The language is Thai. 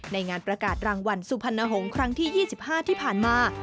ในงานประกาศรางวัลสุพรรณหงษ์ครั้งที่๒๕ที่ผ่านมา